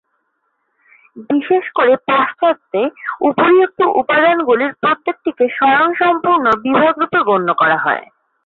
বিশেষ করে পাশ্চাত্যে উপরিউক্ত উপাদানগুলির প্রত্যেকটিকে স্বয়ংসম্পূর্ণ বিভাগ রূপে গণ্য করা হয়।